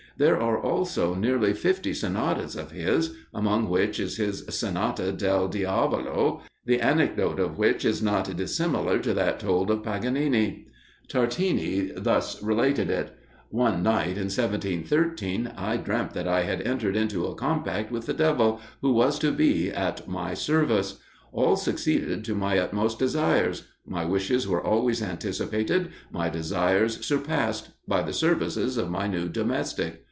There are also nearly fifty sonatas of his, among which is his "Sonata del Diavolo," the anecdote of which is not dissimilar to that told of Paganini. Tartini thus related it: "One night in 1713, I dreamt that I had entered into a compact with the devil, who was to be at my service. All succeeded to my utmost desires. My wishes were always anticipated, my desires surpassed, by the services of my new domestic.